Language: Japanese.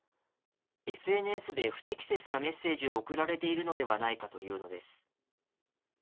ＳＮＳで不適切なメッセージを送られているのではないかというのです。